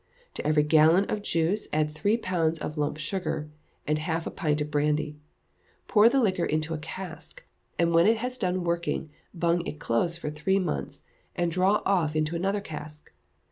To every gallon of juice add three pounds of lump sugar, and half a pint of brandy, Pour the liquor into a cask, and when it las done working, bung it close for three months, and draw off into another cask.